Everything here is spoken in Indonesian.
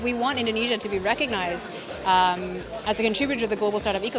dan jika kita ingin indonesia diperkenalkan sebagai kontribusi untuk ekosistem startup global